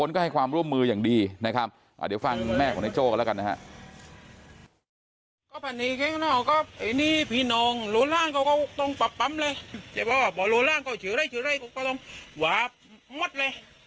ร่างโจ๊กชื่อเลยก็ต้องหวายหมดเลยเจ็บเอาหรอก็คอยอยู่คนไม่ได้เป็นไหน